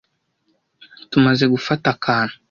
tumaze gufata akantu